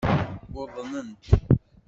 Uḍnent.